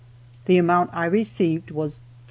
The amount I received was $49.